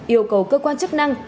yêu cầu cơ quan chức năng